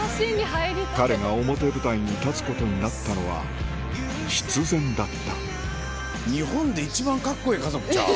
彼が表舞台に立つことになったのは必然だった日本で一番カッコええ家族ちゃう？